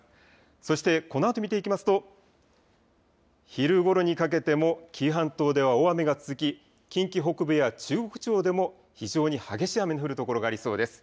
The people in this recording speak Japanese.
そしてこのあと見ていきますと昼ごろにかけても紀伊半島では大雨が続き、近畿北部や中国地方でも非常に激しい雨の降る所がありそうです。